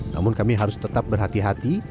namun kami harus tetap berhati hati